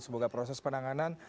semoga proses penanganan